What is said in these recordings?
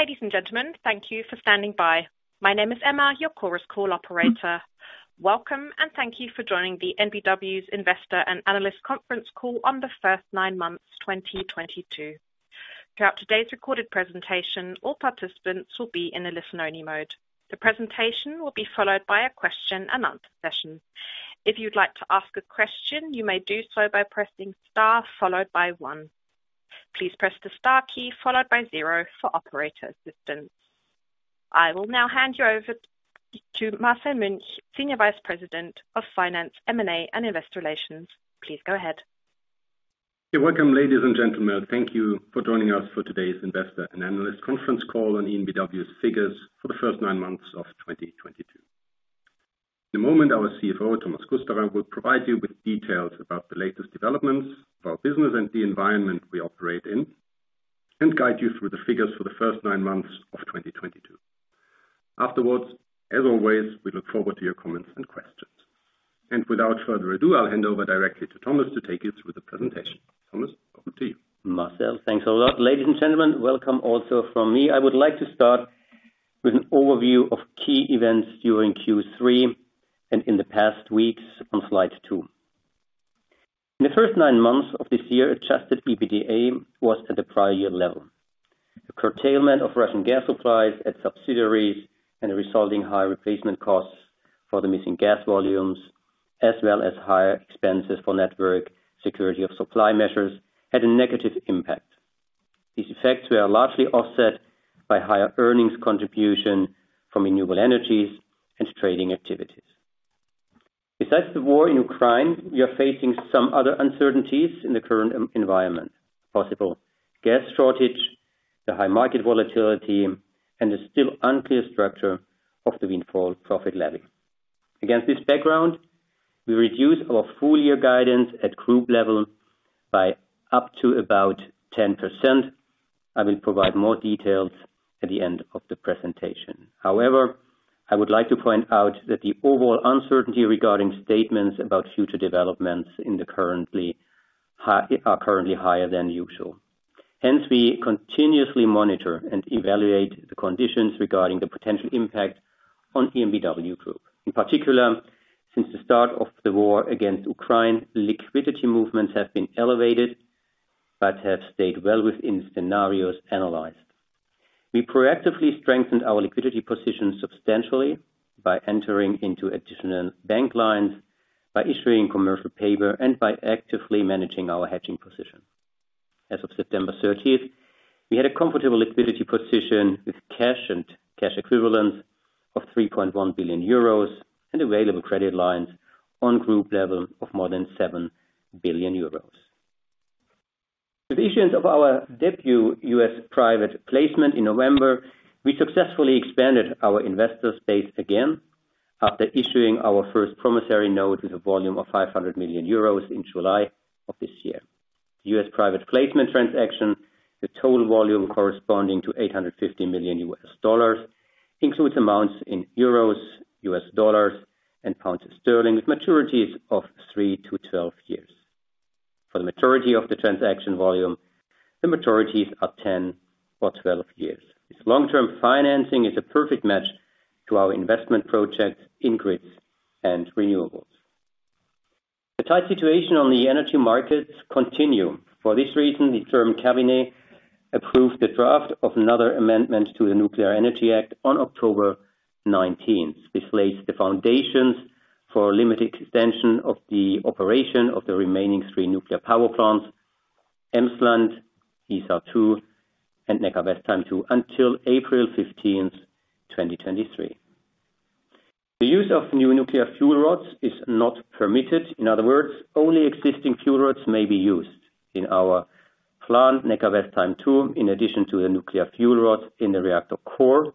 Ladies and gentlemen, thank you for standing by. My name is Emma, your Chorus Call operator. Welcome, and thank you for joining the EnBW's Investor and Analyst Conference Call on the first 9 months, 2022. Throughout today's recorded presentation, all participants will be in a listen-only mode. The presentation will be followed by a question-and-answer session. If you'd like to ask a question, you may do so by pressing *, followed by 1. Please press the * key, followed by 0 for operator assistance. I will now hand you over to Marcel Münch, Senior Vice President of Finance, M&A, and Investor Relations. Please go ahead. Welcome, ladies and gentlemen. Thank you for joining us for today's investor and analyst conference call on EnBW's figures for the first nine months of 2022. In a moment, our CFO, Thomas Kusterer, will provide you with details about the latest developments for our business and the environment we operate in, and guide you through the figures for the first nine months of 2022. Afterwards, as always, we look forward to your comments and questions. Without further ado, I'll hand over directly to Thomas to take you through the presentation. Thomas, over to you. Marcel, thanks a lot. Ladies and gentlemen, welcome also from me. I would like to start with an overview of key events during Q3 and in the past weeks on slide two. In the first nine months of this year, adjusted EBITDA was at the prior year level. The curtailment of Russian gas supplies at subsidiaries and the resulting high replacement costs for the missing gas volumes, as well as higher expenses for network security of supply measures, had a negative impact. These effects were largely offset by higher earnings contribution from renewable energies and trading activities. Besides the war in Ukraine, we are facing some other uncertainties in the current environment. Possible gas shortage, the high market volatility, and the still unclear structure of the windfall profit levy. Against this background, we reduce our full-year guidance at group level by up to about 10%. I will provide more details at the end of the presentation. However, I would like to point out that the overall uncertainty regarding statements about future developments are currently higher than usual. Hence, we continuously monitor and evaluate the conditions regarding the potential impact on EnBW Group. In particular, since the start of the war against Ukraine, liquidity movements have been elevated but have stayed well within scenarios analyzed. We proactively strengthened our liquidity position substantially by entering into additional bank lines, by issuing commercial paper, and by actively managing our hedging position. As of September 13, we had a comfortable liquidity position with cash and cash equivalents of 3.1 billion euros and available credit lines on group level of more than 7 billion euros. With the issuance of our debut U.S. private placement in November, we successfully expanded our investor space again after issuing our first promissory note with a volume of 500 million euros in July of this year. U.S. private placement transaction, the total volume corresponding to $850 million, includes amounts in euros, U.S. dollars, and pounds sterling, with maturities of 3-12 years. For the maturity of the transaction volume, the maturities are 10 or 12 years. This long-term financing is a perfect match to our investment projects in grids and renewables. The tight situation on the energy markets continue. For this reason, the German cabinet approved the draft of another amendment to the Atomic Energy Act on October 19, which lays the foundations for a limited extension of the operation of the remaining three nuclear power plants, Emsland, Isar Two, and Neckarwestheim Two, until April 15, 2023. The use of new nuclear fuel rods is not permitted. In other words, only existing fuel rods may be used. In our plant, Neckarwestheim Two, in addition to the nuclear fuel rods in the reactor core,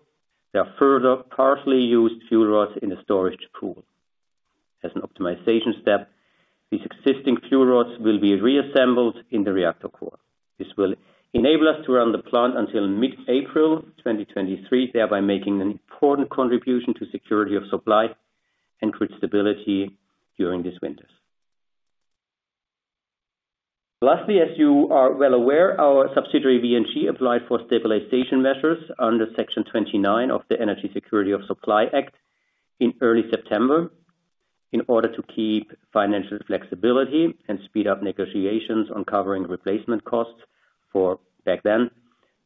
there are further partially used fuel rods in a storage pool. As an optimization step, these existing fuel rods will be reassembled in the reactor core. This will enable us to run the plant until mid-April 2023, thereby making an important contribution to security of supply and grid stability during these winters. Lastly, as you are well aware, our subsidiary, VNG, applied for stabilization measures under Section 29 of the Energy Security Act in early September in order to keep financial flexibility and speed up negotiations on covering replacement costs for, back then,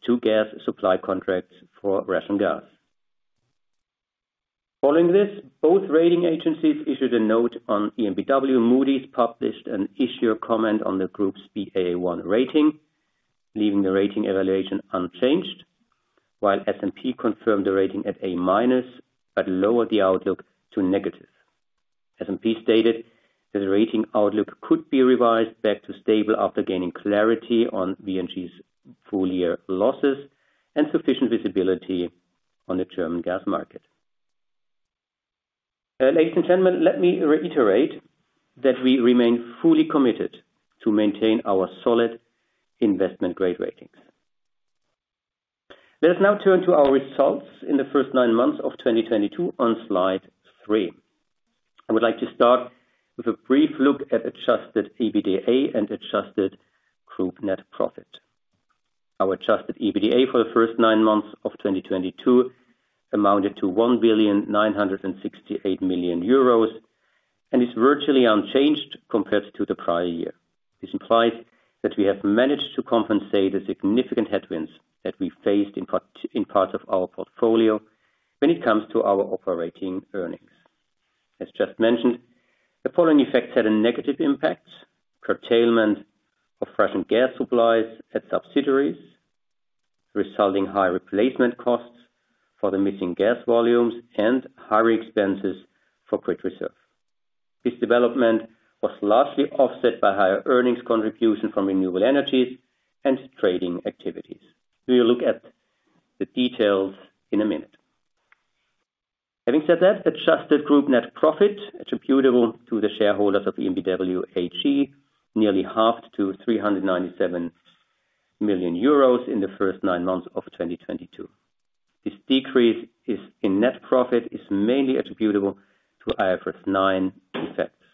2 gas supply contracts for Russian gas. Following this, both rating agencies issued a note on EnBW. Moody's published an issuer comment on the group's Ba1 rating, leaving the rating evaluation unchanged, while S&P confirmed the rating at A- but lowered the outlook to negative. S&P stated that the rating outlook could be revised back to stable after gaining clarity on VNG's full-year losses and sufficient visibility on the German gas market. Ladies and gentlemen, let me reiterate that we remain fully committed to maintain our solid investment grade ratings. Let us now turn to our results in the first nine months of 2022 on slide three. I would like to start with a brief look at adjusted EBITDA and adjusted group net profit. Our adjusted EBITDA for the first nine months of 2022 amounted to 1,968 million euros, and is virtually unchanged compared to the prior year. This implies that we have managed to compensate the significant headwinds that we faced in part, in parts of our portfolio when it comes to our operating earnings. As just mentioned, the following effects had a negative impact, curtailment of Russian gas supplies at subsidiaries, resulting in high replacement costs for the missing gas volumes and higher expenses for grid reserve. This development was largely offset by higher earnings contribution from renewable energies and trading activities. We will look at the details in a minute. Having said that, adjusted group net profit attributable to the shareholders of EnBW AG nearly halved to 397 million euros in the first nine months of 2022. This decrease in net profit is mainly attributable to IFRS 9 effects.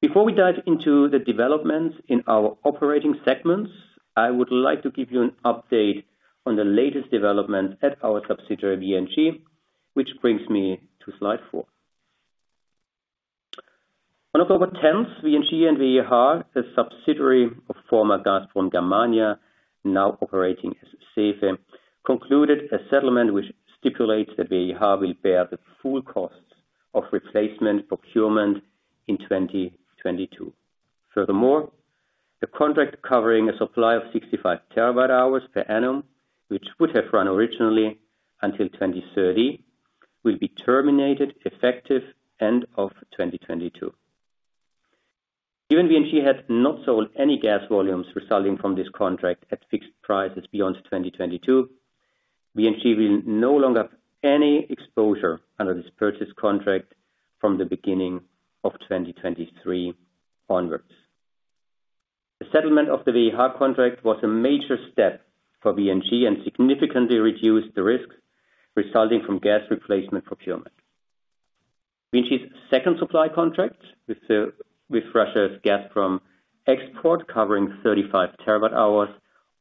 Before we dive into the developments in our operating segments, I would like to give you an update on the latest developments at our subsidiary, VNG, which brings me to slide four. On October 10, VNG and WIEH, a subsidiary of former Gazprom Germania, now operating as SEFE, concluded a settlement which stipulates that WIEH will bear the full costs of replacement procurement in 2022. Furthermore, the contract covering a supply of 65 terawatt-hours per annum, which would have run originally until 2030, will be terminated effective end of 2022. Even VNG had not sold any gas volumes resulting from this contract at fixed prices beyond 2022. VNG will no longer have any exposure under this purchase contract from the beginning of 2023 onwards. The settlement of the Veha contract was a major step for VNG and significantly reduced the risks resulting from gas replacement procurement. VNG's second supply contract with Russia's Gazprom Export covering 35 TWh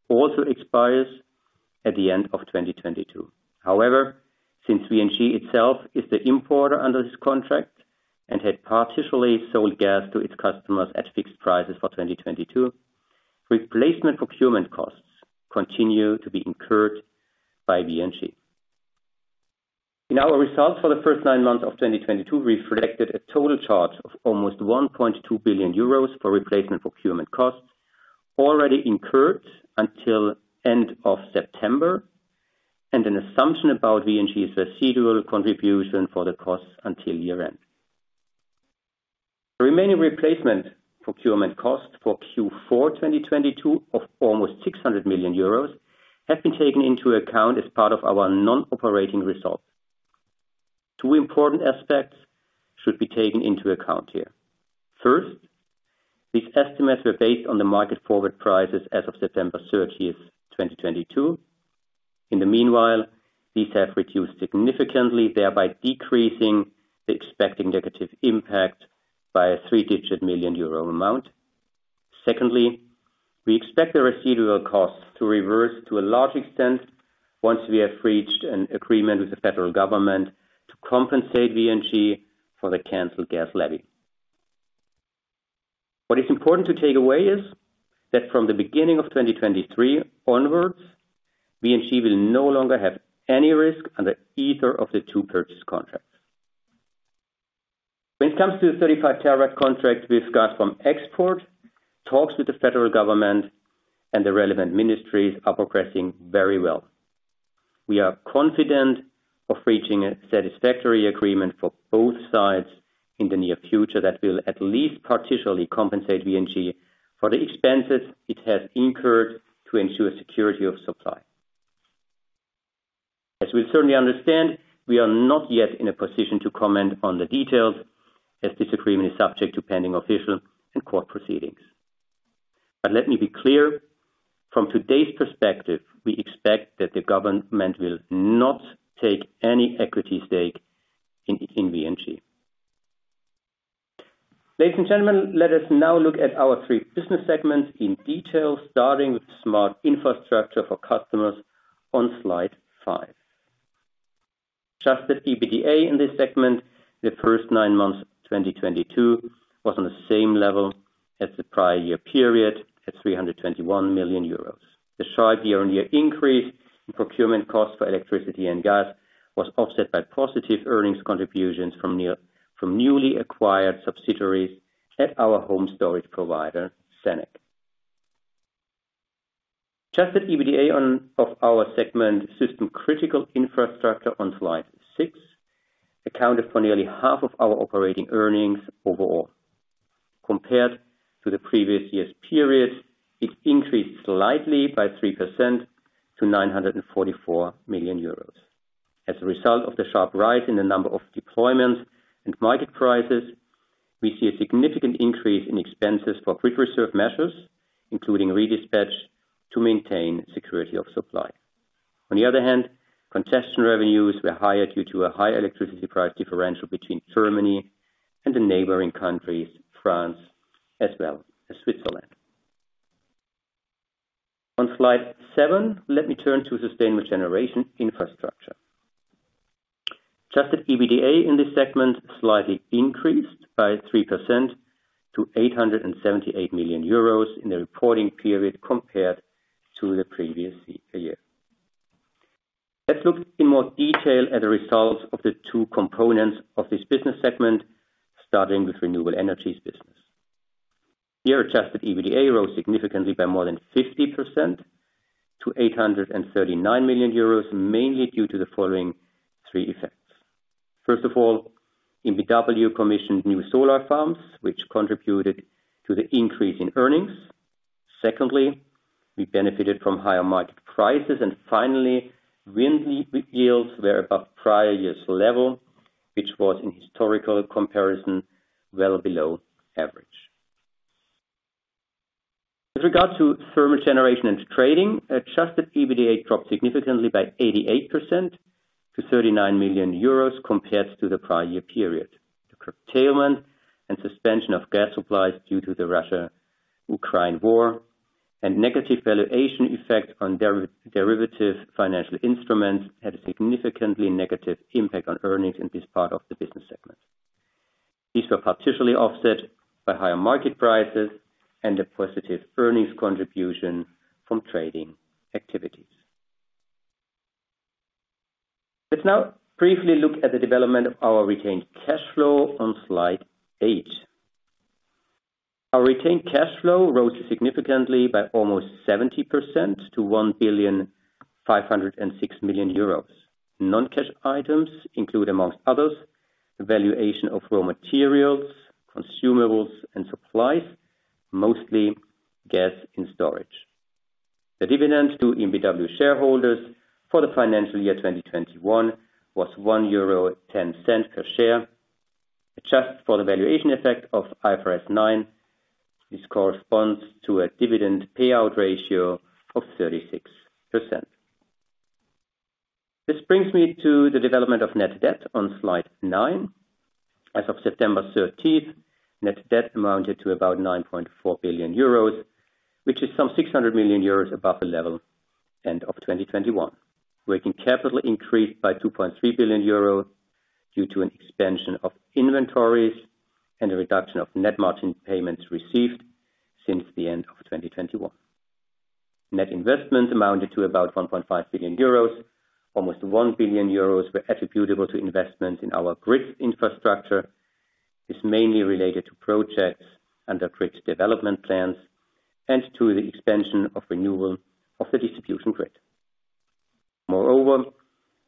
also expires at the end of 2022. However, since VNG itself is the importer under this contract and had partially sold gas to its customers at fixed prices for 2022, replacement procurement costs continue to be incurred by VNG. In our results for the first 9 months of 2022 reflected a total charge of almost 1.2 billion euros for replacement procurement costs already incurred until end of September, and an assumption about VNG's residual contribution for the costs until year-end. The remaining replacement procurement costs for Q4 2022 of almost 600 million euros have been taken into account as part of our non-operating results. Two important aspects should be taken into account here. First, these estimates were based on the market forward prices as of September 13, 2022. In the meanwhile, these have reduced significantly, thereby decreasing the expected negative impact by a three-digit million EUR amount. Secondly, we expect the residual costs to reverse to a large extent once we have reached an agreement with the federal government to compensate VNG for the canceled gas levy. What is important to take away is that from the beginning of 2023 onwards, VNG will no longer have any risk under either of the two purchase contracts. When it comes to the 35 terawatt contract with Gazprom Export, talks with the federal government and the relevant ministries are progressing very well. We are confident of reaching a satisfactory agreement for both sides in the near future that will at least partially compensate VNG for the expenses it has incurred to ensure security of supply. As we certainly understand, we are not yet in a position to comment on the details as this agreement is subject to pending official and court proceedings. Let me be clear, from today's perspective, we expect that the government will not take any equity stake in VNG. Ladies and gentlemen, let us now look at our three business segments in detail, starting with Smart Infrastructure for Customers on slide five. Adjusted EBITDA in this segment, the first nine months of 2022 was on the same level as the prior year period at 321 million euros. The sharp year-on-year increase in procurement costs for electricity and gas was offset by positive earnings contributions from newly acquired subsidiaries at our home storage provider, SENEC. Adjusted EBITDA of our segment System Critical Infrastructure on slide six accounted for nearly half of our operating earnings overall. Compared to the previous year's period, it increased slightly by 3% to 944 million euros. As a result of the sharp rise in the number of deployments and market prices. We see a significant increase in expenses for pre-reserve measures, including redispatch, to maintain security of supply. On the other hand, congestion revenues were higher due to a higher electricity price differential between Germany and the neighboring countries, France as well as Switzerland. On slide 7, let me turn to sustainable generation infrastructure. Adjusted EBITDA in this segment slightly increased by 3% to 878 million euros in the reporting period compared to the previous year. Let's look in more detail at the results of the two components of this business segment, starting with renewable energies business. Here, adjusted EBITDA rose significantly by more than 50% to 839 million euros, mainly due to the following three effects. First of all, EnBW commissioned new solar farms which contributed to the increase in earnings. Secondly, we benefited from higher market prices. Finally, wind yields were above prior year's level, which was in historical comparison, well below average. With regard to thermal generation and trading, adjusted EBITDA dropped significantly by 88% to 39 million euros compared to the prior year period. The curtailment and suspension of gas supplies due to the Russia-Ukraine war and negative valuation effect on derivative financial instruments had a significantly negative impact on earnings in this part of the business segment. These were partially offset by higher market prices and a positive earnings contribution from trading activities. Let's now briefly look at the development of our retained cash flow on slide 8. Our retained cash flow rose significantly by almost 70% to 1,506 million euros. Non-cash items include, among others, valuation of raw materials, consumables and supplies, mostly gas and storage. The dividends to EnBW shareholders for the financial year 2021 was 1.10 euro per share. Adjusted for the valuation effect of IFRS 9, this corresponds to a dividend payout ratio of 36%. This brings me to the development of net debt on slide 9. As of September 13, net debt amounted to about 9.4 billion euros, which is some 600 million euros above the level end of 2021. Working capital increased by 2.3 billion euros due to an expansion of inventories and a reduction of net margin payments received since the end of 2021. Net investment amounted to about 1.5 billion euros. Almost 1 billion euros were attributable to investment in our grid infrastructure. This is mainly related to projects under grid development plans and to the expansion and renewal of the distribution grid. Moreover,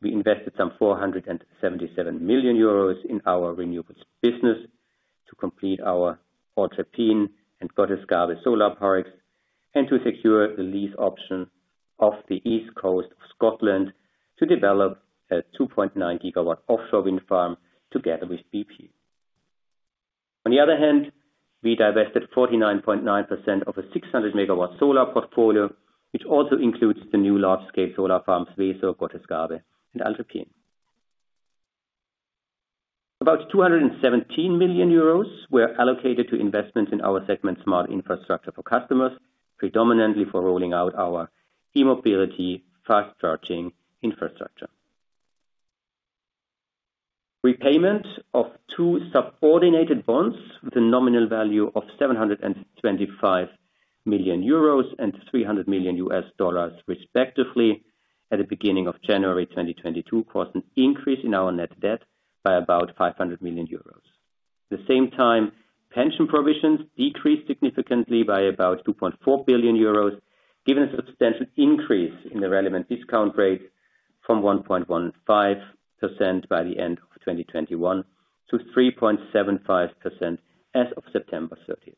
we invested some 477 million euros in our renewables business to complete our Weesow-Willmersdorf and Gottesgabe solar parks, and to secure the lease option off the east coast of Scotland to develop a 2.9-gigawatt offshore wind farm together with BP. On the other hand, we divested 49.9% of the 600-megawatt solar portfolio, which also includes the new large-scale solar farms, Weesow-Willmersdorf, Gottesgabe. About 217 million euros were allocated to investments in our segment Smart Infrastructure for Customers, predominantly for rolling out our e-mobility fast-charging infrastructure. Repayment of two subordinated bonds with a nominal value of 725 million euros and $300 million respectively at the beginning of January 2022 caused an increase in our net debt by about 500 million euros. At the same time, pension provisions decreased significantly by about 2.4 billion euros, given a substantial increase in the relevant discount rate from 1.15% by the end of 2021 to 3.75% as of September 30.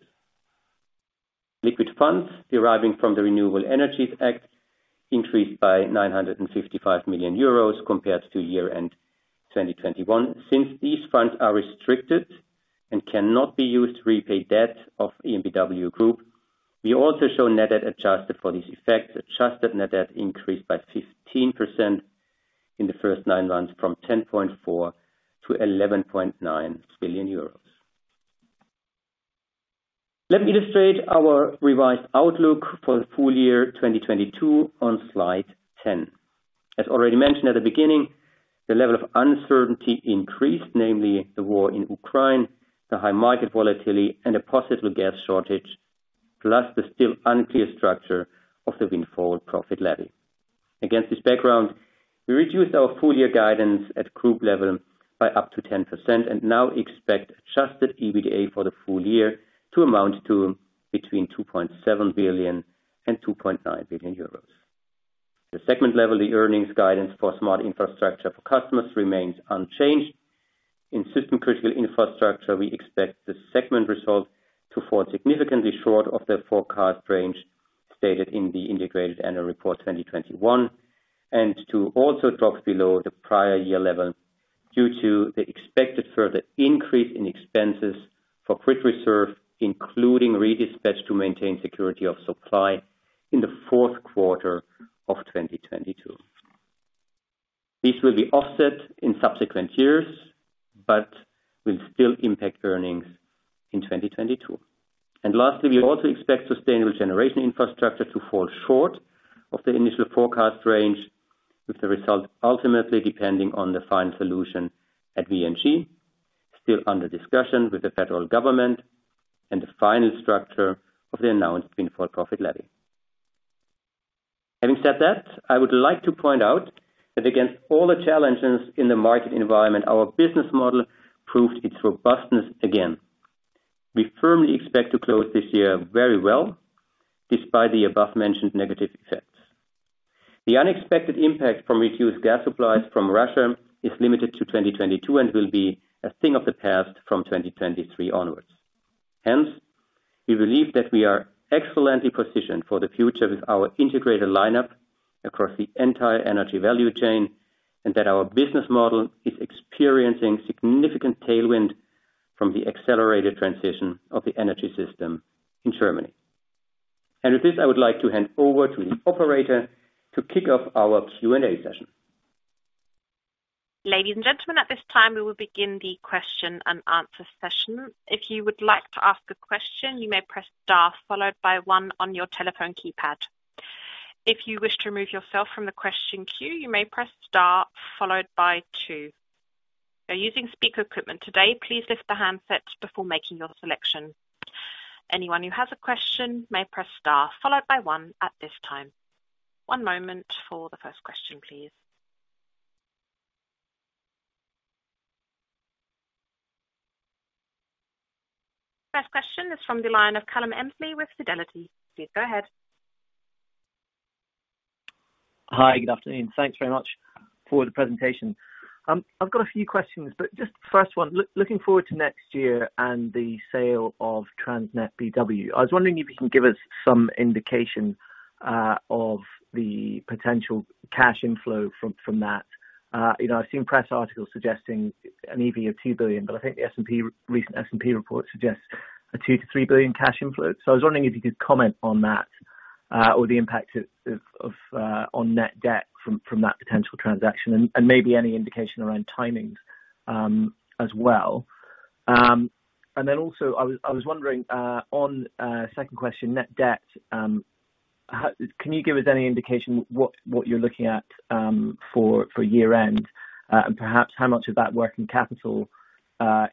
Liquid funds deriving from the Renewable Energy Sources Act increased by 955 million euros compared to year-end 2021. Since these funds are restricted and cannot be used to repay debt of EnBW Group, we also show net debt adjusted for this effect. Adjusted net debt increased by 15% in the first nine months from 10.4 billion to 11.9 billion euros. Let me illustrate our revised outlook for the full year 2022 on slide 10. As already mentioned at the beginning, the level of uncertainty increased, namely the war in Ukraine, the high market volatility and a possible gas shortage, plus the still unclear structure of the windfall profit levy. Against this background, we reduced our full year guidance at group level by up to 10% and now expect adjusted EBITDA for the full year to amount to between 2.7 billion and 2.9 billion euros. At the segment level, the earnings guidance for Smart Infrastructure for Customers remains unchanged. In System Critical Infrastructure, we expect the segment results to fall significantly short of the forecast range stated in the Integrated Annual Report 2021, and to also drop below the prior year level due to the expected further increase in expenses for grid reserve, including redispatch to maintain security of supply in the fourth quarter of 2022. This will be offset in subsequent years, but will still impact earnings in 2022. Lastly, we also expect Sustainable Generation Infrastructure to fall short of the initial forecast range, with the result ultimately depending on the final solution at VNG, still under discussion with the federal government and the final structure of the announced windfall profit levy. Having said that, I would like to point out that against all the challenges in the market environment, our business model proves its robustness again. We firmly expect to close this year very well, despite the above-mentioned negative effects. The unexpected impact from reduced gas supplies from Russia is limited to 2022 and will be a thing of the past from 2023 onwards. Hence, we believe that we are excellently positioned for the future with our integrated lineup across the entire energy value chain, and that our business model is experiencing significant tailwind from the accelerated transition of the energy system in Germany. With this, I would like to hand over to the operator to kick off our Q&A session. Ladies and gentlemen, at this time we will begin the question-and-answer session. If you would like to ask a question, you may press * followed by 1 on your telephone keypad. If you wish to remove yourself from the question queue, you may press * followed by 2. If you're using speaker equipment today, please lift the handset before making your selection. Anyone who has a question may press * followed by 1 at this time. One moment for the first question, please. First question is from the line of Calum Emslie with Fidelity. Please go ahead. Hi. Good afternoon. Thanks very much for the presentation. I've got a few questions, but just the first one, looking forward to next year and the sale of TransnetBW, I was wondering if you can give us some indication of the potential cash inflow from that. You know, I've seen press articles suggesting an EV of 2 billion, but I think the recent S&P report suggests a 2-3 billion cash inflow. I was wondering if you could comment on that, or the impact on net debt from that potential transaction and maybe any indication around timing as well. I was wondering on second question, net debt, can you give us any indication what you're looking at for year-end, and perhaps how much of that working capital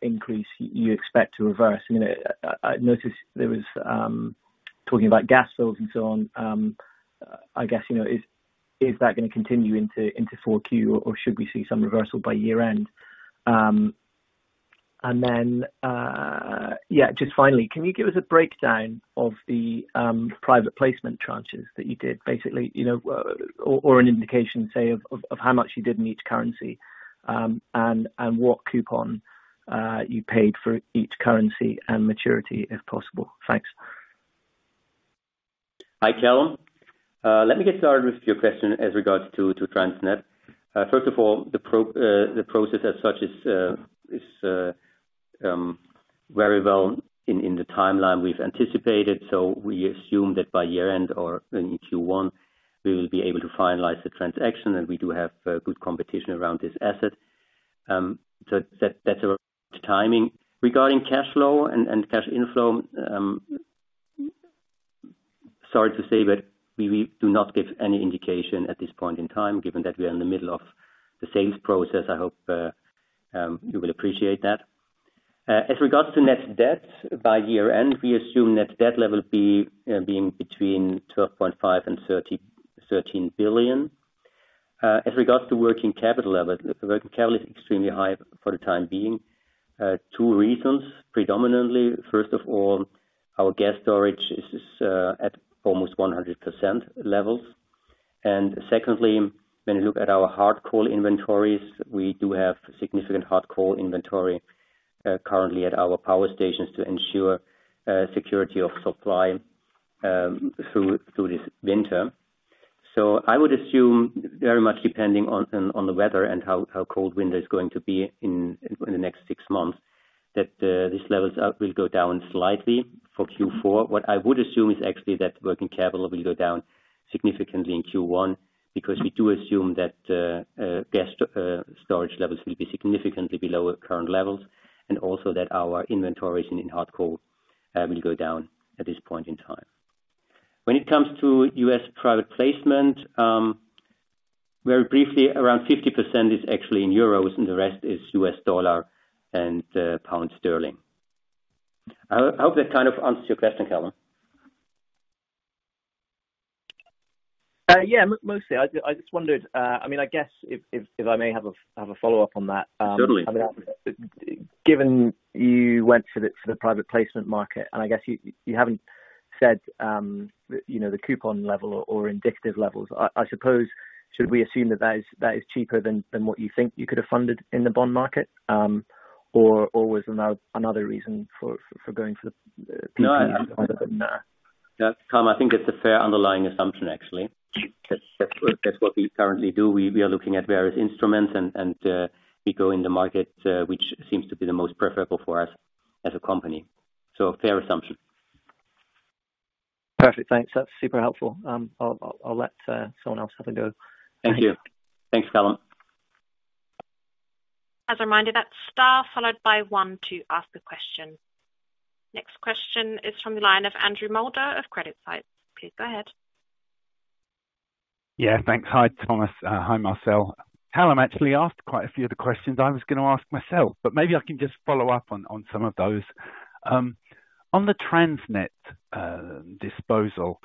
increase you expect to reverse? You know, I noticed there was talking about gas fills and so on, I guess, you know, is that gonna continue into Q4 or should we see some reversal by year-end? Yeah, just finally, can you give us a breakdown of the private placement tranches that you did, basically, you know, or an indication, say of how much you did in each currency, and what coupon you paid for each currency and maturity, if possible? Thanks. Hi, Calum. Let me get started with your question as regards to TransnetBW. First of all, the process as such is very well in the timeline we've anticipated. We assume that by year-end or in Q1, we will be able to finalize the transaction, and we do have good competition around this asset. That's our timing. Regarding cash flow and cash inflow, sorry to say, but we do not give any indication at this point in time, given that we are in the middle of the sales process. I hope you will appreciate that. As regards to net debt, by year-end, we assume net debt level being between 12.5 billion and 13 billion. As regards to working capital level, working capital is extremely high for the time being. Two reasons, predominantly. First of all, our gas storage is at almost 100% levels. Secondly, when you look at our hard coal inventories, we do have significant hard coal inventory currently at our power stations to ensure security of supply through this winter. I would assume very much depending on the weather and how cold winter is going to be in the next six months, that these levels will go down slightly for Q4. What I would assume is actually that working capital will go down significantly in Q1 because we do assume that gas storage levels will be significantly below current levels, and also that our inventory in hard coal will go down at this point in time. When it comes to U.S. private placement, very briefly, around 50% is actually in euros and the rest is U.S. dollar and pound sterling. I hope that kind of answers your question, Calum. Yeah, mostly. I just wondered, I mean, I guess if I may have a follow-up on that. Totally. Given you went for the private placement market, and I guess you haven't said, you know, the coupon level or indicative levels. I suppose should we assume that is cheaper than what you think you could have funded in the bond market? Or was another reason for going for the No, I think it's a fair underlying assumption actually. That's what we currently do. We are looking at various instruments and we go in the market, which seems to be the most preferable for us as a company. Fair assumption. Perfect. Thanks. That's super helpful. I'll let someone else have a go. Thank you. Thanks, Calum. As a reminder, that's star followed by one to ask a question. Next question is from the line of Andrew Moulder of CreditSights. Please go ahead. Yeah, thanks. Hi, Thomas. Hi, Marcel. Colin actually asked quite a few of the questions I was gonna ask myself, but maybe I can just follow up on some of those. On the TransnetBW disposal,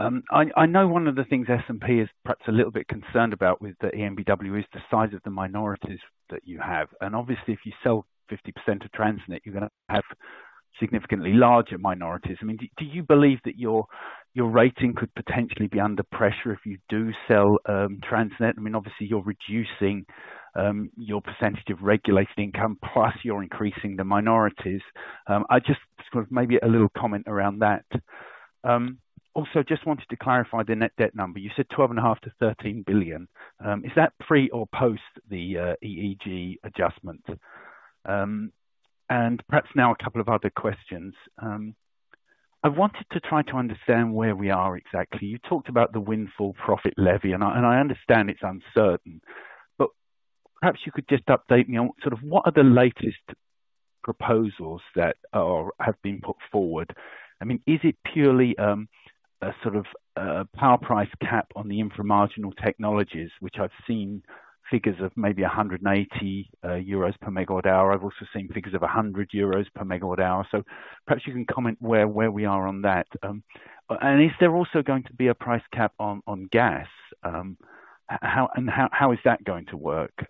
I know one of the things S&P is perhaps a little bit concerned about with the EnBW is the size of the minorities that you have. Obviously, if you sell 50% of TransnetBW, you're gonna have significantly larger minorities. I mean, do you believe that your rating could potentially be under pressure if you do sell TransnetBW? I mean, obviously you're reducing your percentage of regulated income, plus you're increasing the minorities. I just sort of maybe a little comment around that. Also just wanted to clarify the net debt number. You said 12.5 billion to 13 billion. Is that pre or post the EEG adjustment? Perhaps now a couple of other questions. I wanted to try to understand where we are exactly. You talked about the windfall profit levy, and I understand it's uncertain, but perhaps you could just update me on sort of what are the latest proposals that have been put forward. I mean, is it purely a sort of a power price cap on the inframarginal technologies, which I've seen figures of maybe 180 euros per megawatt hour. I've also seen figures of 100 euros per megawatt hour. Perhaps you can comment where we are on that. Is there also going to be a price cap on gas? How is that going to work?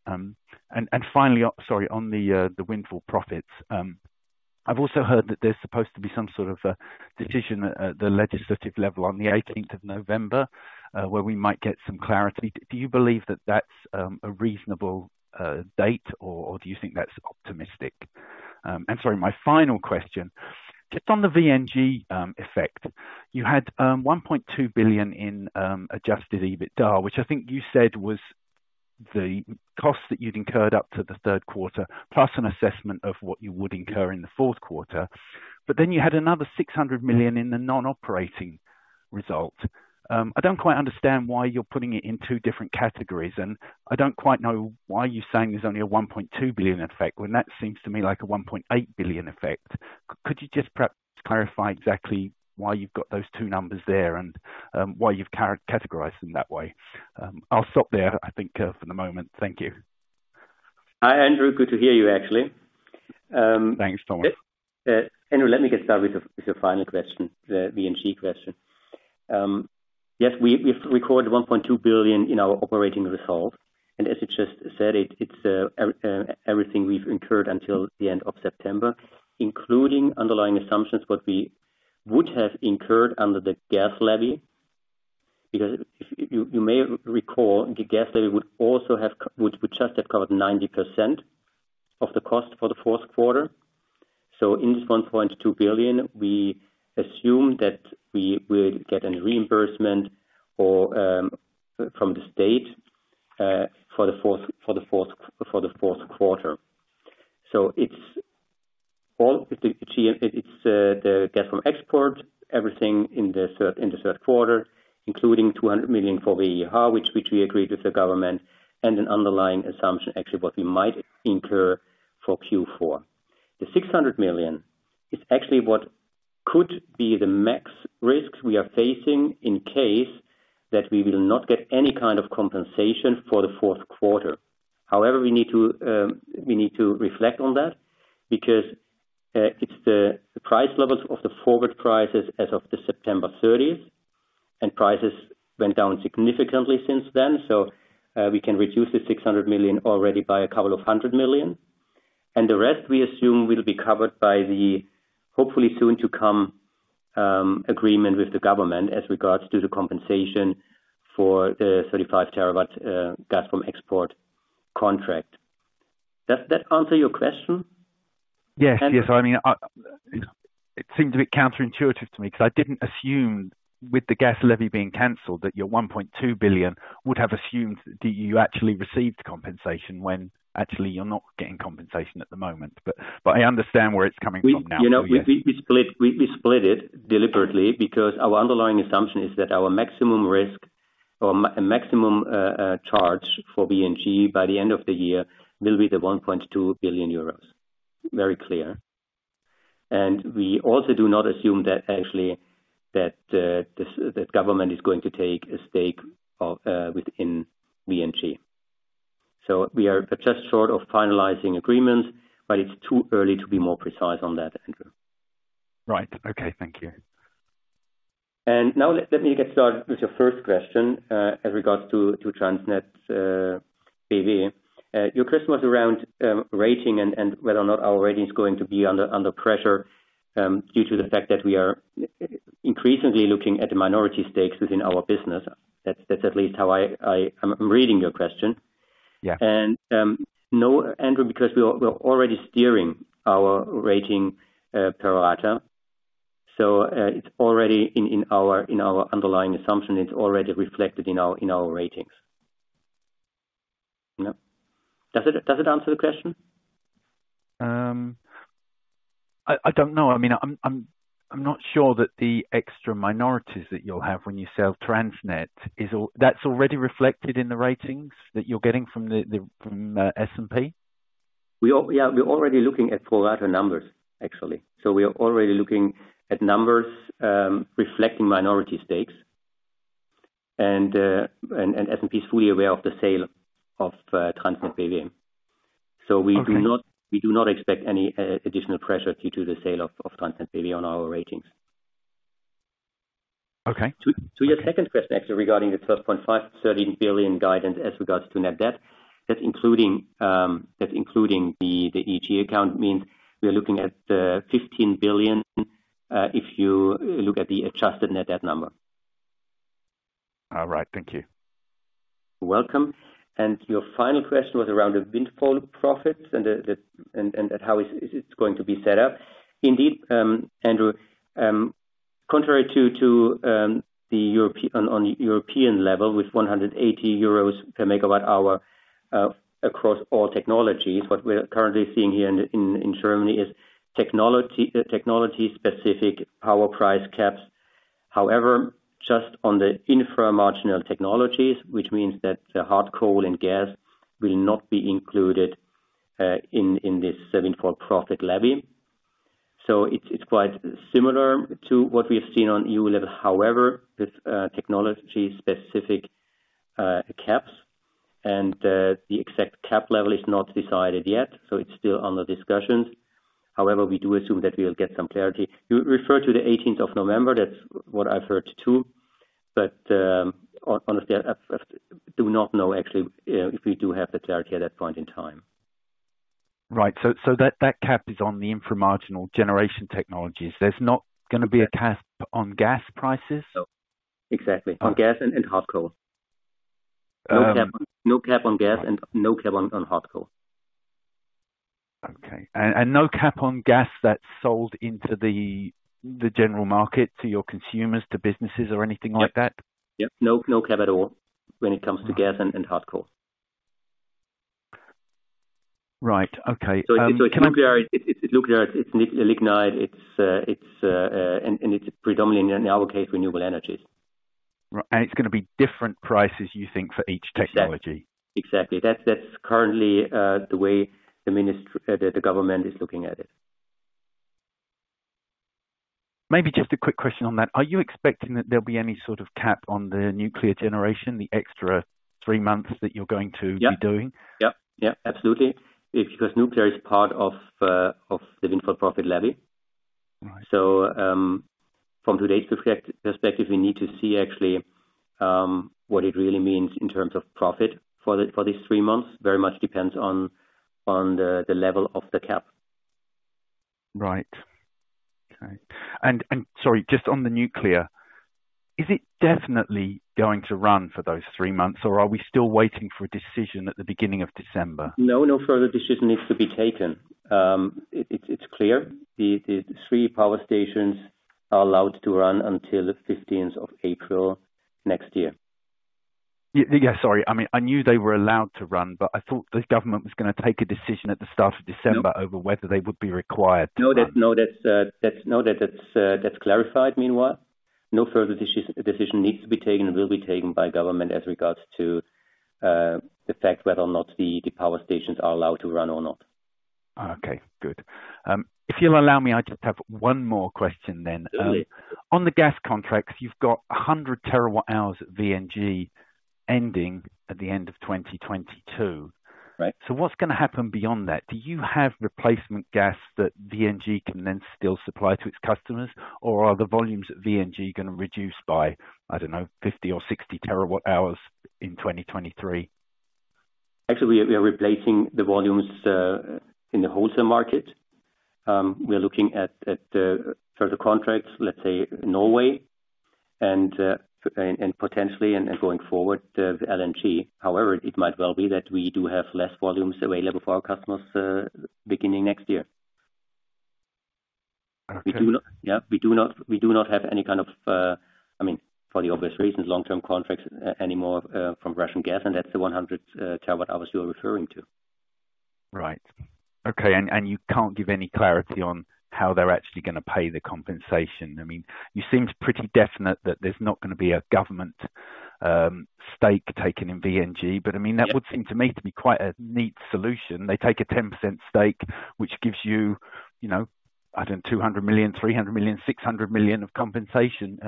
Finally, sorry, on the windfall profits, I've also heard that there's supposed to be some sort of a decision at the legislative level on the eighteenth of November, where we might get some clarity. Do you believe that that's a reasonable date, or do you think that's optimistic? Sorry, my final question, just on the VNG effect, you had 1.2 billion in adjusted EBITDA, which I think you said was the cost that you'd incurred up to the third quarter, plus an assessment of what you would incur in the fourth quarter. You had another 600 million in the non-operating result. I don't quite understand why you're putting it in two different categories, and I don't quite know why you're saying there's only a 1.2 billion effect when that seems to me like a 1.8 billion effect. Could you just perhaps clarify exactly why you've got those two numbers there and why you've categorized them that way? I'll stop there, I think, for the moment. Thank you. Hi, Andrew. Good to hear you actually. Thanks, Thomas. Andrew, let me get started with your final question, the VNG question. Yes, we've recorded 1.2 billion in our operating result. As you just said, it's everything we've incurred until the end of September, including underlying assumptions what we would have incurred under the gas levy. Because if you may recall, the gas levy would also have just covered 90% of the cost for the fourth quarter. In this 1.2 billion, we assume that we will get a reimbursement or from the state for the fourth quarter. It's all the GM. It's the gas from Gazprom Export, everything in the third quarter, including 200 million for VHR, which we agreed with the government and an underlying assumption, actually, what we might incur for Q4. The 600 million is actually what could be the max risks we are facing in case that we will not get any kind of compensation for the fourth quarter. However, we need to reflect on that because it's the price levels of the forward prices as of the September thirtieth, and prices went down significantly since then. We can reduce the 600 million already by a couple of hundred million. The rest, we assume, will be covered by the hopefully soon to come agreement with the government as regards to the compensation for 35 TWh gas from Gazprom Export contract. Does that answer your question? Yes. I mean, it seems a bit counterintuitive to me because I didn't assume with the gas levy being canceled, that your 1.2 billion would have assumed that you actually received compensation when actually you're not getting compensation at the moment. But I understand where it's coming from now. You know, we split it deliberately because our underlying assumption is that our maximum risk or maximum charge for VNG by the end of the year will be the 1.2 billion euros. Very clear. We also do not assume that actually this government is going to take a stake in VNG. We are just short of finalizing agreements, but it's too early to be more precise on that, Andrew. Right. Okay. Thank you. Let me get started with your first question in regards to TransnetBW. Your question was around rating and whether or not our rating is going to be under pressure due to the fact that we are increasingly looking at the minority stakes within our business. That's at least how I am reading your question. No, Andrew, because we're already steering our rating pro rata, so it's already in our underlying assumption. It's already reflected in our ratings. You know. Does it answer the question? I don't know. I mean, I'm not sure that the extra minorities that you'll have when you sell TransnetBW. That's already reflected in the ratings that you're getting from S&P? Yeah. We're already looking at pro rata numbers, actually. We are already looking at numbers reflecting minority stakes and S&P is fully aware of the sale of TransnetBW. Okay. We do not expect any additional pressure due to the sale of TransnetBW on our ratings. Okay. To your second question, actually regarding the 12.5 billion-13 billion guidance as regards to net debt, that's including the EEG account means we are looking at 15 billion if you look at the adjusted net debt number. All right, thank you. You're welcome. Your final question was around the windfall profits and how it's going to be set up. Indeed, Andrew, contrary to the European level, with 180 euros per megawatt hour across all technologies, what we're currently seeing here in Germany is technology-specific power price caps. However, just on the inframarginal technologies, which means that the hard coal and gas will not be included in this windfall profit levy. It's quite similar to what we've seen on EU level, however, with technology-specific caps and the exact cap level is not decided yet, so it's still under discussions. However, we do assume that we will get some clarity. You refer to the eighteenth of November, that's what I've heard too. Honestly, I do not know actually if we do have the clarity at that point in time. Right. That cap is on the inframarginal generation technologies. There's not gonna be a cap on gas prices? No. Exactly. On gas and hard coal. No cap on gas and no cap on hard coal. Okay. No cap on gas that's sold into the general market to your consumers, to businesses or anything like that? Yep. No cap at all when it comes to gas and hard coal. Right. Okay. It's nuclear, it's lignite, and it's predominantly, in our case, renewable energies. Right. It's gonna be different prices, you think, for each technology? Exactly. That's currently the way the government is looking at it. Maybe just a quick question on that. Are you expecting that there'll be any sort of cap on the nuclear generation, the extra three months that you're going to be doing? Yeah. Yeah, absolutely. Because nuclear is part of the windfall profit levy. From today's perspective, we need to see actually what it really means in terms of profit for these three months. Very much depends on the level of the cap. Right. Okay. Sorry, just on the nuclear, is it definitely going to run for those three months, or are we still waiting for a decision at the beginning of December? No, no further decision needs to be taken. It's clear. The three power stations are allowed to run until the fifteenth of April next year. Yeah. Sorry. I mean, I knew they were allowed to run, but I thought the government was gonna take a decision at the start of December. Over whether they would be required to run. No. That's clarified meanwhile. No further decision needs to be taken and will be taken by government as regards to the fact whether or not the power stations are allowed to run or not. Okay, good. If you'll allow me, I just have one more question then. Surely. On the gas contracts, you've got 100 terawatt-hours at VNG ending at the end of 2022. Right. What's gonna happen beyond that? Do you have replacement gas that VNG can then still supply to its customers? Or are the volumes at VNG gonna reduce by, I don't know, 50 or 60 terawatt-hours in 2023? Actually, we are replacing the volumes in the wholesale market. We are looking at further contracts, let's say Norway and potentially going forward LNG. However, it might well be that we do have less volumes available for our customers beginning next year. Okay. We do not have any kind of, I mean, for the obvious reasons, long-term contracts anymore from Russian gas, and that's the 100 terawatt-hours you are referring to. Right. Okay. You can't give any clarity on how they're actually gonna pay the compensation. I mean, it seems pretty definite that there's not gonna be a government stake taken in VNG, but I mean. That would seem to me to be quite a neat solution. They take a 10% stake, which gives you know, 200 million, 300 million, 600 million of compensation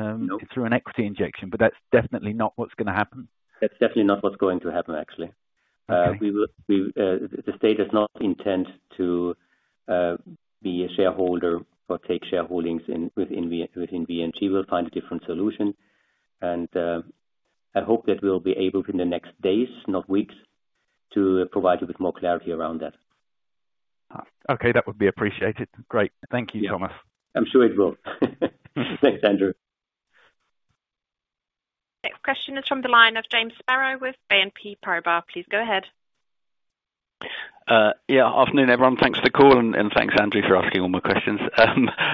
through an equity injection, but that's definitely not what's gonna happen? That's definitely not what's going to happen, actually. The state does not intend to be a shareholder or take shareholdings in, within VNG. We'll find a different solution. I hope that we'll be able to in the next days, not weeks, to provide you with more clarity around that. Okay. That would be appreciated. Great. Thank you, Thomas. I'm sure it will. Thanks, Andrew. Next question is from the line of James Sparrow with BNP Paribas. Please go ahead. Yeah. Afternoon, everyone. Thanks for the call and thanks, Andrew, for asking all my questions.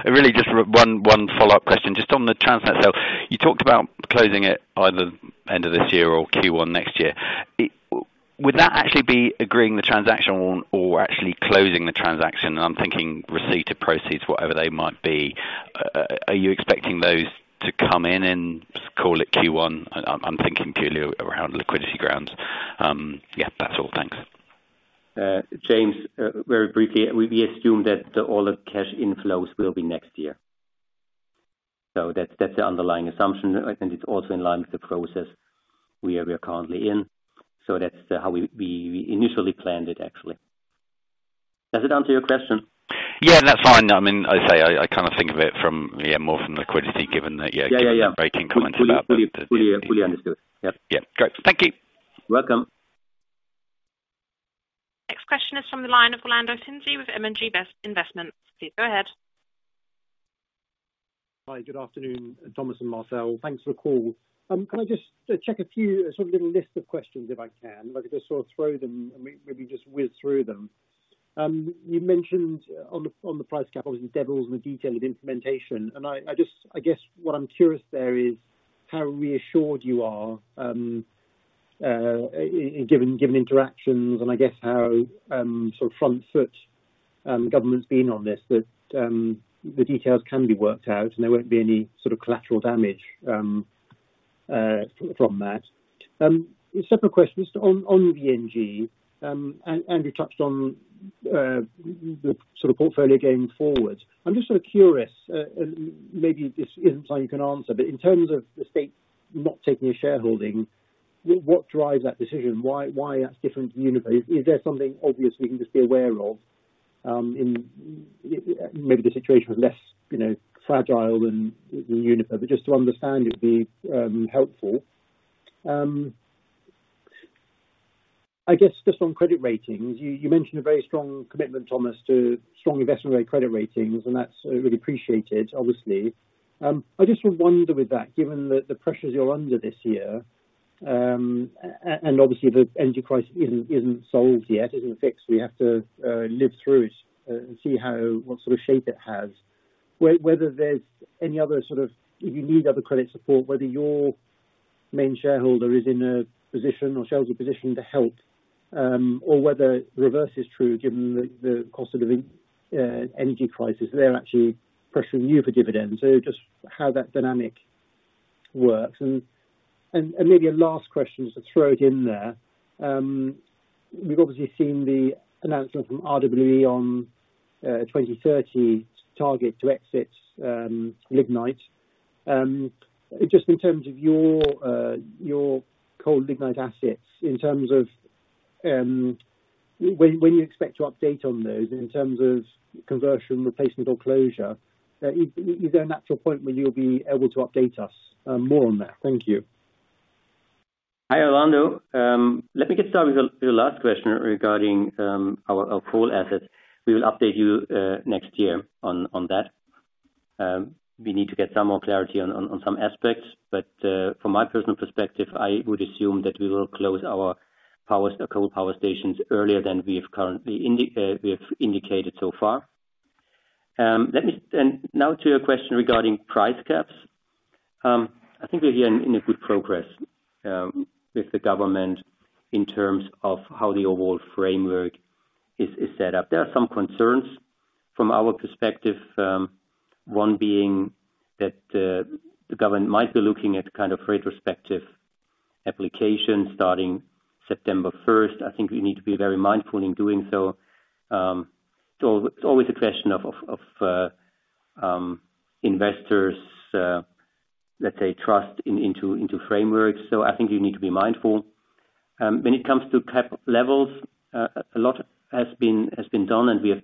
Really just one follow-up question. Just on the transfer itself, you talked about closing it by the end of this year or Q1 next year. Would that actually be agreeing the transaction or actually closing the transaction? I'm thinking receipt of proceeds, whatever they might be. Are you expecting those to come in in, let's call it Q1? I'm thinking purely around liquidity grounds. Yeah, that's all. Thanks. James, very briefly, we assume that all the cash inflows will be next year. That's the underlying assumption. I think it's also in line with the process we are currently in. That's how we initially planned it actually. Does it answer your question? Yeah, that's fine. I mean, I kind of think of it from, more from liquidity given that. Yeah. Given your breaking comment about the. Fully understood. Yep. Yeah. Great. Thank you. Welcome. Next question is from the line of Orlando Finzi with M&G Investments. Please go ahead. Hi, good afternoon, Thomas and Marcel. Thanks for the call. Can I just check a few sort of little list of questions if I can? If I could just sort of throw them, and maybe we just whiz through them. You mentioned on the price cap, obviously, devil's in the detail of the implementation. I just guess what I'm curious there is how reassured you are, given interactions and I guess how sort of front foot government's been on this that the details can be worked out, and there won't be any sort of collateral damage from that. Separate question on VNG. Andrew touched on the sort of portfolio going forward. I'm just sort of curious, and maybe this isn't something you can answer, but in terms of the state not taking a shareholding, what drives that decision? Why that's different than Uniper? Is there something obvious we can just be aware of, in maybe the situation was less, you know, fragile than Uniper. Just to understand it would be helpful. I guess just on credit ratings, you mentioned a very strong commitment, Thomas, to strong investment-grade credit ratings, and that's really appreciated, obviously. I just wonder with that, given the pressures you're under this year, and obviously the energy price isn't solved yet, isn't fixed, we have to live through it and see how what sort of shape it has. Whether there's any other sort of. If you need other credit support, whether your main shareholder is in a position or shareholders' position to help, or whether reverse is true given the cost of the energy crisis, they're actually pressuring you for dividends. Just how that dynamic works. Maybe a last question, just to throw it in there. We've obviously seen the announcement from RWE on 2030 target to exit lignite. Just in terms of your coal lignite assets, in terms of when you expect to update on those in terms of conversion, replacement or closure. Is there a natural point where you'll be able to update us more on that? Thank you. Hi, Orlando. Let me get started with your last question regarding our coal assets. We will update you next year on that. We need to get some more clarity on some aspects. From my personal perspective, I would assume that we will close our coal power stations earlier than we have currently indicated so far. Now to your question regarding price caps. I think we're hearing good progress with the government in terms of how the overall framework is set up. There are some concerns from our perspective, one being that the government might be looking at kind of retrospective applications starting September first. I think we need to be very mindful in doing so. It's always a question of investors, let's say, trust in frameworks. I think you need to be mindful. When it comes to cap levels, a lot has been done, and we have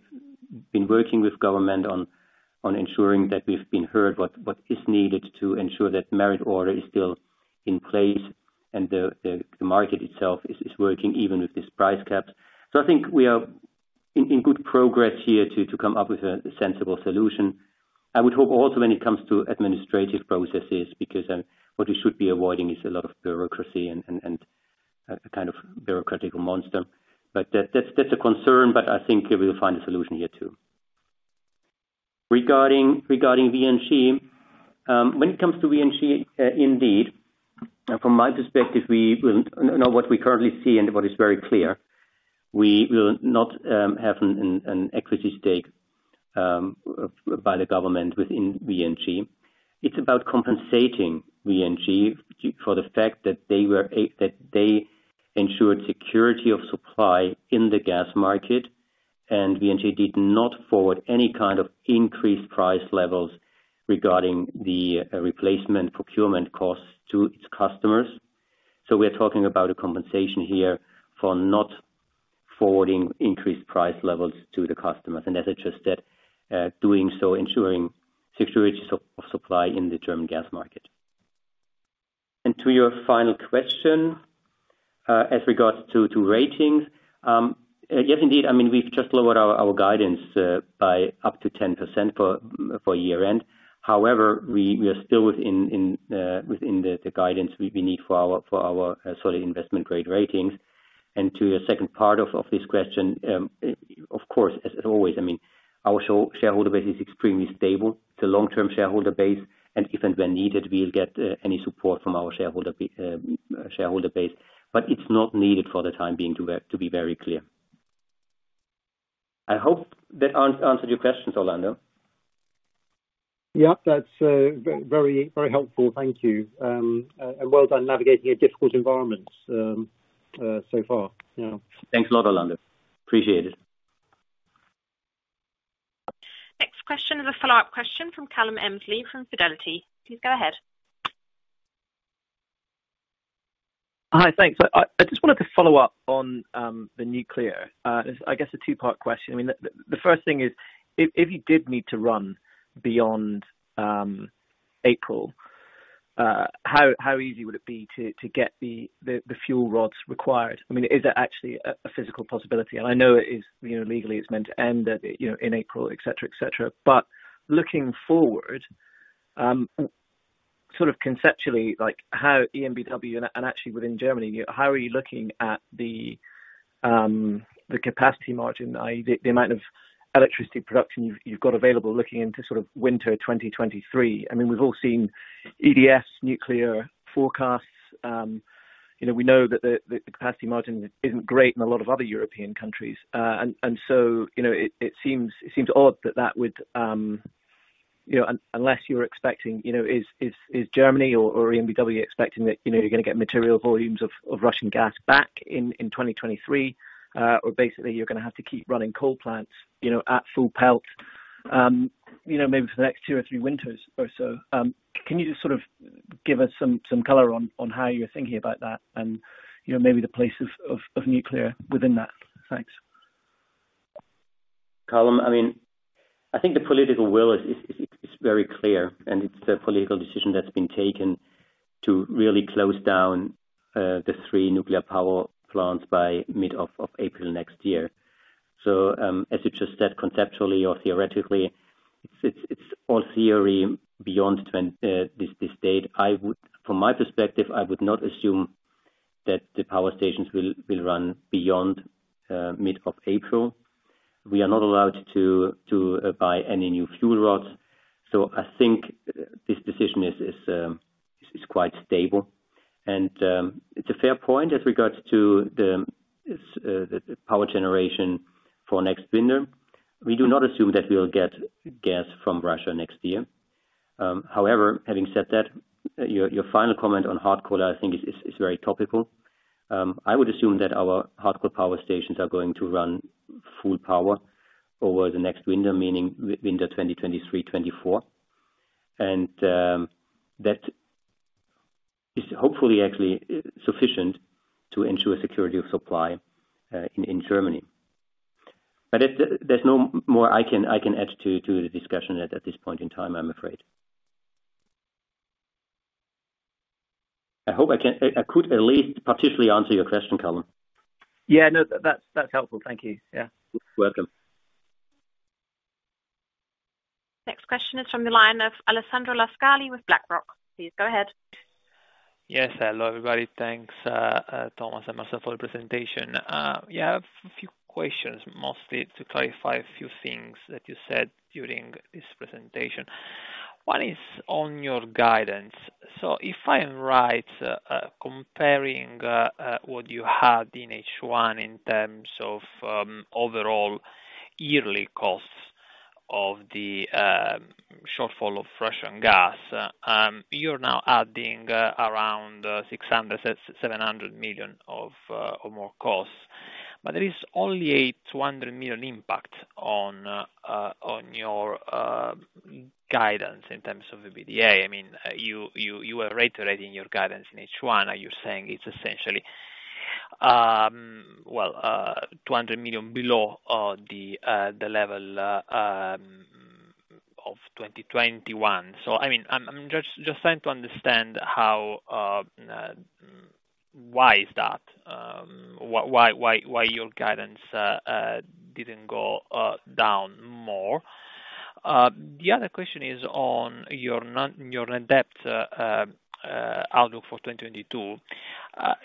been working with government on ensuring that we've been heard, what is needed to ensure that merit order is still in place and the market itself is working even with this price caps. I think we are in good progress here to come up with a sensible solution. I would hope also when it comes to administrative processes, because what we should be avoiding is a lot of bureaucracy and a kind of bureaucratic monster. That's a concern, but I think we will find a solution here too. Regarding VNG, when it comes to VNG, indeed, from my perspective, what we currently see and what is very clear, we will not have an equity stake by the government within VNG. It's about compensating VNG for the fact that they ensured security of supply in the gas market. VNG did not forward any kind of increased price levels regarding the replacement procurement costs to its customers. We're talking about a compensation here for not forwarding increased price levels to the customers. As I just said, doing so ensuring security supply in the German gas market. To your final question, as regards to ratings, yes, indeed. I mean, we've just lowered our guidance by up to 10% for year-end. However, we are still within the guidance we need for our solid investment grade ratings. To your second part of this question, of course, as always, I mean our shareholder base is extremely stable. It's a long-term shareholder base, and if and when needed, we'll get any support from our shareholder base. It's not needed for the time being, to be very clear. I hope that answered your question, Orlando. Yeah, that's very, very helpful. Thank you. Well done navigating a difficult environment, so far. Yeah. Thanks a lot, Orlando. Appreciate it. Next question is a follow-up question from Calum Emslie from Fidelity. Please go ahead. Hi. Thanks. I just wanted to follow up on the nuclear. I guess a two-part question. I mean, the first thing is if you did need to run beyond April, how easy would it be to get the fuel rods required? I mean, is that actually a physical possibility? I know it is, you know, legally it's meant to end at, you know, in April, et cetera, et cetera. Looking forward, sort of conceptually, like how EnBW and actually within Germany, how are you looking at the capacity margin, i.e., the amount of electricity production you've got available looking into sort of winter 2023? I mean, we've all seen EDF's nuclear forecasts. You know, we know that the capacity margin isn't great in a lot of other European countries. You know, it seems odd that that would unless you're expecting, you know, is Germany or EnBW expecting that, you know, you're gonna get material volumes of Russian gas back in 2023, or basically you're gonna have to keep running coal plants, you know, at full pelt, you know, maybe for the next two or three winters or so. Can you just sort of give us some color on how you're thinking about that and, you know, maybe the place of nuclear within that? Thanks. Calum, I mean, I think the political will is very clear, and it's a political decision that's been taken to really close down the three nuclear power plants by mid-April next year. As you just said, conceptually or theoretically, it's all theory beyond this date. From my perspective, I would not assume that the power stations will run beyond mid-April. We are not allowed to buy any new fuel rods, so I think this decision is quite stable. It's a fair point as regards to the power generation for next winter. We do not assume that we will get gas from Russia next year. However, having said that, your final comment on hard coal, I think, is very topical. I would assume that our hard coal power stations are going to run full power over the next winter, meaning winter 2023-2024. That is hopefully actually sufficient to ensure security of supply in Germany. There's no more I can add to the discussion at this point in time, I'm afraid. I hope I could at least partially answer your question, Calum. Yeah. No. That's helpful. Thank you. Yeah. You're welcome. Next question is from the line of Alessandro La Scalia with BlackRock. Please go ahead. Yes. Hello, everybody. Thanks, Thomas and Marcel for the presentation. Yeah. A few questions, mostly to clarify a few things that you said during this presentation. One is on your guidance. If I'm right, comparing what you had in H1 in terms of overall yearly costs of the shortfall of Russian gas, you're now adding around 600-700 million or more costs. There is only a 200 million impact on your guidance in terms of the EBITDA. I mean, you are reiterating your guidance in H1, and you're saying it's essentially well 200 million below the level of 2021. I mean, I'm just trying to understand how, why is that? Why your guidance didn't go down more? The other question is on your net debt outlook for 2022.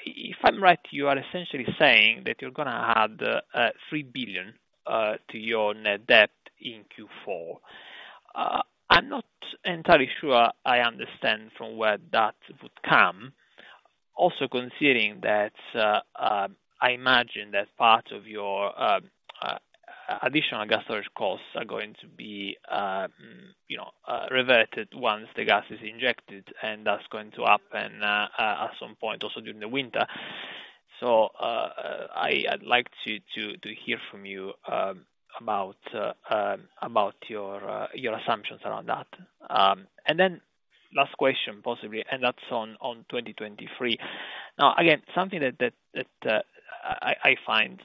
If I'm right, you are essentially saying that you're gonna add 3 billion to your net debt in Q4. I'm not entirely sure I understand from where that would come. Also considering that, I imagine that part of your additional gas storage costs are going to be, you know, reverted once the gas is injected, and that's going to happen at some point also during the winter. I'd like to hear from you about your assumptions around that. Last question possibly, that's on 2023. Now, again, something that I find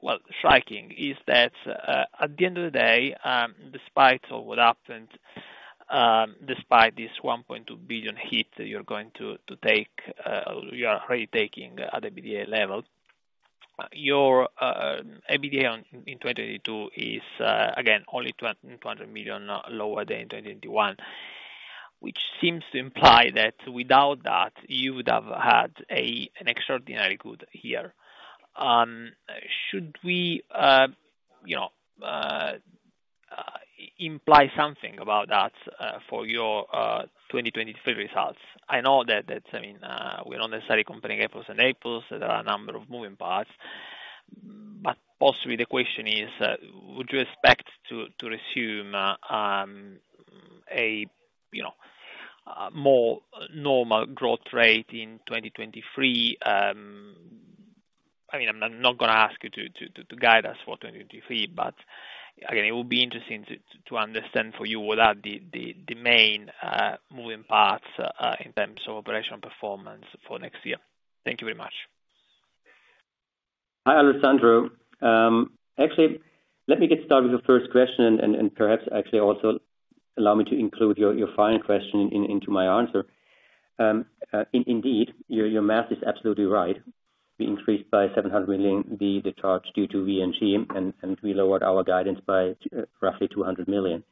well striking is that at the end of the day, despite all what happened, despite this 1.2 billion hit you're going to take, you are already taking at EBITDA level, your EBITDA in 2022 is again only 200 million lower than 2021. Which seems to imply that without that, you would have had an extraordinary good year. Should we you know imply something about that for your 2023 results? I know that that's, I mean, we're not necessarily comparing apples to apples. There are a number of moving parts. Possibly the question is, would you expect to resume a you know more normal growth rate in 2023? I mean, I'm not gonna ask you to guide us for 2023, but again, it would be interesting to understand for you what are the main moving parts in terms of operational performance for next year. Thank you very much. Hi, Alessandro. Actually, let me get started with the first question and perhaps actually also allow me to include your final question into my answer. Indeed, your math is absolutely right. We increased by 700 million the charge due to VNG, and we lowered our guidance by roughly 200 million,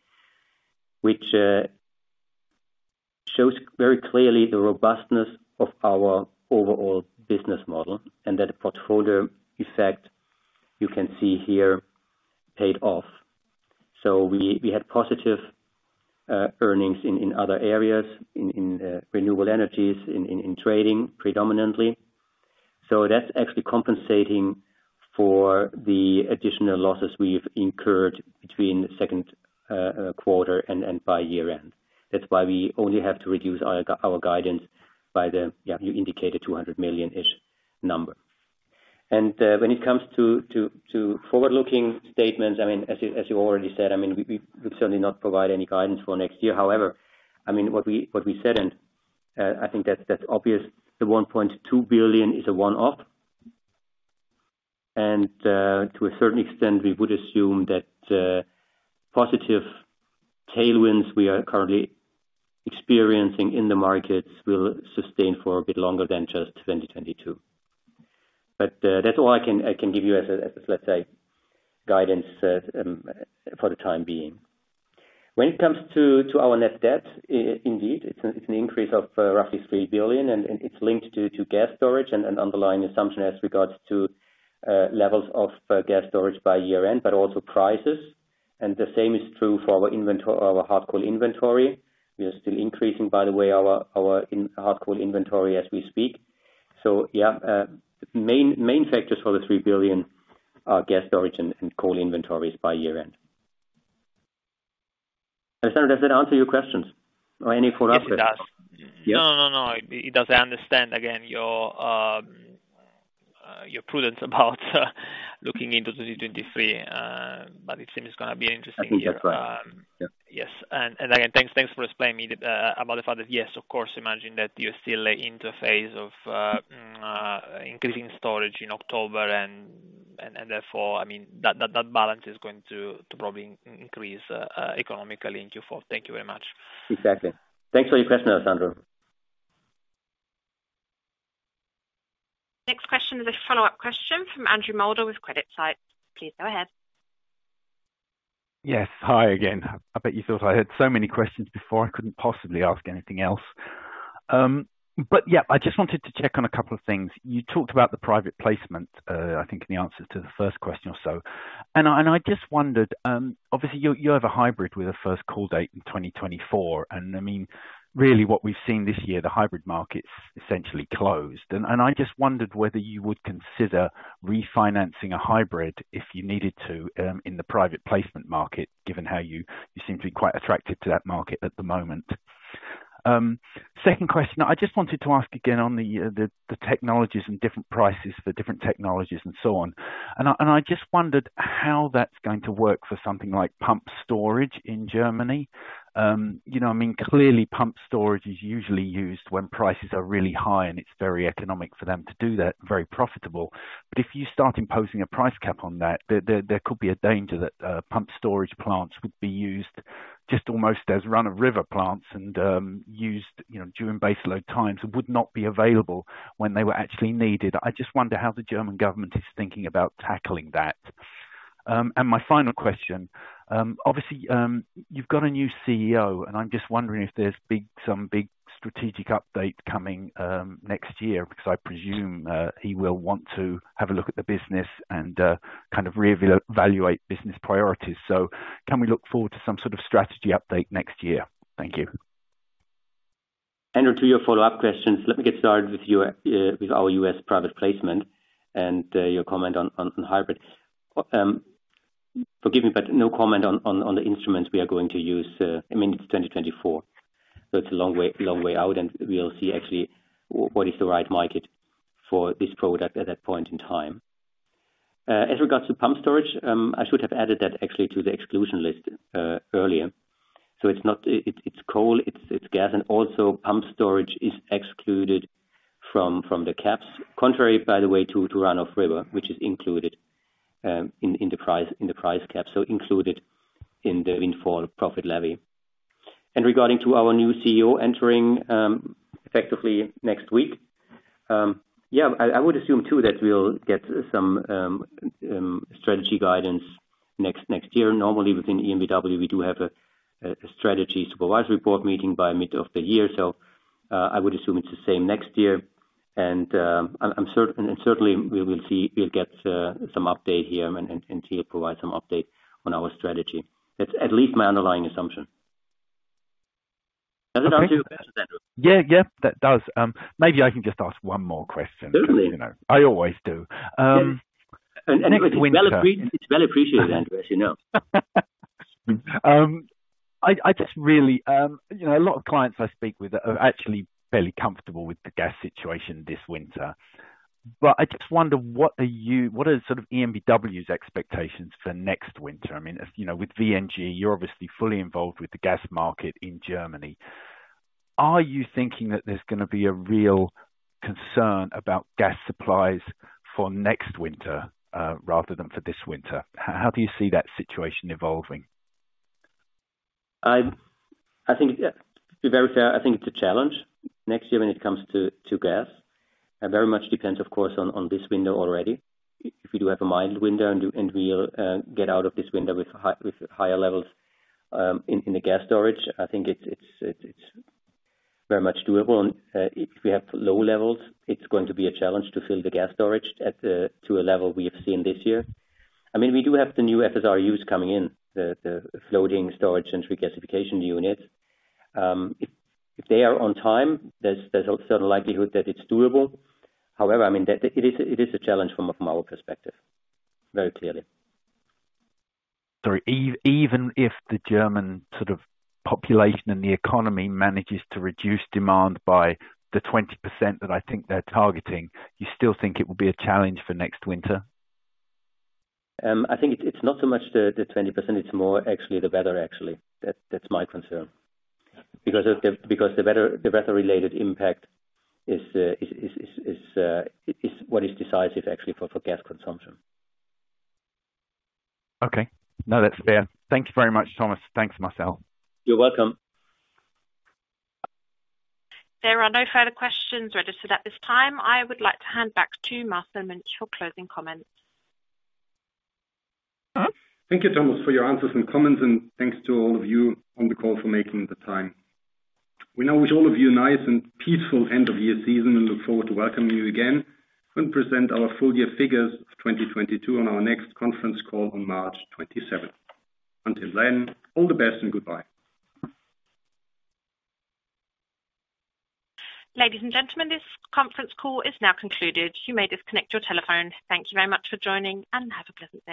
which shows very clearly the robustness of our overall business model and that the portfolio effect you can see here paid off. We had positive earnings in other areas, in renewable energies, in trading predominantly. That's actually compensating for the additional losses we have incurred between the second quarter and by year end. That's why we only have to reduce our guidance by the yeah you indicated 200 million-ish number. When it comes to forward-looking statements, I mean, as you already said, I mean, we would certainly not provide any guidance for next year. However, I mean, what we said, and I think that's obvious, the 1.2 billion is a one-off. To a certain extent, we would assume that positive tailwinds we are currently experiencing in the markets will sustain for a bit longer than just 2022. That's all I can give you as a, let's say, guidance, for the time being. When it comes to our net debt, indeed, it's an increase of roughly 3 billion, and it's linked to gas storage and an underlying assumption as regards to levels of gas storage by year-end, but also prices. The same is true for our hard coal inventory. We are still increasing, by the way, our hard coal inventory as we speak. Yeah, main factors for the 3 billion are gas storage and coal inventories by year-end. Alessandro, does that answer your questions or any follow-up? Yes, it does. Yes. No, no. It does. I understand, again, your prudence about looking into 2023, but it seems it's gonna be interesting. I think that's right. Yes. Again, thanks for explaining to me about the fact that yes, of course, imagine that you're still in the phase of increasing storage in October and therefore, I mean, that balance is going to probably increase economically in Q4. Thank you very much. Exactly. Thanks for your question, Alessandro. Next question is a follow-up question from Andrew Moulder with CreditSights. Please go ahead. Yes. Hi again. I bet you thought I had so many questions before I couldn't possibly ask anything else. Yeah, I just wanted to check on a couple of things. You talked about the private placement, I think in the answer to the first question or so. I just wondered, obviously you have a hybrid with a first call date in 2024, and I mean, really what we've seen this year, the hybrid market's essentially closed. I just wondered whether you would consider refinancing a hybrid if you needed to, in the private placement market, given how you seem to be quite attracted to that market at the moment. Second question. I just wanted to ask again on the technologies and different prices for different technologies and so on. I just wondered how that's going to work for something like pumped storage in Germany. You know, I mean, clearly pumped storage is usually used when prices are really high, and it's very economic for them to do that, very profitable. But if you start imposing a price cap on that, there could be a danger that pumped storage plants would be used just almost as run-of-river plants and used during baseload times and would not be available when they were actually needed. I just wonder how the German government is thinking about tackling that. My final question. Obviously, you've got a new CEO, and I'm just wondering if there's some big strategic update coming next year because I presume he will want to have a look at the business and kind of evaluate business priorities. Can we look forward to some sort of strategy update next year? Thank you. Andrew, to your follow-up questions, let me get started with your with our U.S. private placement and your comment on hybrid. Forgive me, but no comment on the instruments we are going to use. I mean, it's 2024. It's a long way out, and we'll see actually what is the right market for this product at that point in time. As regards to pumped storage, I should have added that actually to the exclusion list earlier. It's not. It's coal, it's gas, and also pumped storage is excluded from the caps. Contrary, by the way, to run-of-river, which is included in the price cap, so included in the windfall profit levy. Regarding to our new CEO entering, effectively next week, yeah, I would assume too that we'll get some strategy guidance next year. Normally, within EnBW, we do have a strategy supervisory board meeting by mid of the year, so I would assume it's the same next year. Certainly we will see, we'll get some update here and Theo provide some update on our strategy. That's at least my underlying assumption. Does that answer you, Andrew? Yeah. Yeah, that does. Maybe I can just ask one more question. Certainly. You know, I always do. It's well appreciated, Andrew, as you know. I just really, you know, a lot of clients I speak with are actually fairly comfortable with the gas situation this winter. I just wonder, what are sort of EnBW's expectations for next winter? I mean, you know, with VNG, you're obviously fully involved with the gas market in Germany. Are you thinking that there's gonna be a real concern about gas supplies for next winter, rather than for this winter? How do you see that situation evolving? I think, to be very fair, I think it's a challenge next year when it comes to gas. Very much depends, of course, on this winter already. If we do have a mild winter and we will get out of this winter with higher levels in the gas storage, I think it's very much doable. If we have low levels, it's going to be a challenge to fill the gas storage to a level we have seen this year. I mean, we do have the new FSRUs coming in, the floating storage regasification unit. If they are on time, there's a certain likelihood that it's doable. However, I mean, it is a challenge from our perspective, very clearly. Even if the German sort of population and the economy manages to reduce demand by the 20% that I think they're targeting, you still think it will be a challenge for next winter? I think it's not so much the 20%, it's more actually the weather, actually. That's my concern. Because the weather-related impact is what is decisive actually for gas consumption. Okay. No, that's fair. Thank you very much, Thomas. Thanks, Marcel. You're welcome. There are no further questions registered at this time. I would like to hand back to Marcel Münch for closing comments. Thomas? Thank you, Thomas, for your answers and comments, and thanks to all of you on the call for making the time. We now wish all of you a nice and peaceful end-of-year season and look forward to welcoming you again and present our full year figures of 2022 on our next conference call on March 27. Until then, all the best and goodbye. Ladies and gentlemen, this conference call is now concluded. You may disconnect your telephone. Thank you very much for joining, and have a pleasant day.